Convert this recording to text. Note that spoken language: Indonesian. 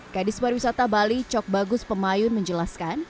kadis pariwisata bali cok bagus pemayun menjelaskan